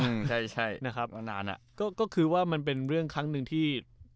อืมใช่ใช่นะครับนานนานอ่ะก็คือว่ามันเป็นเรื่องครั้งหนึ่งที่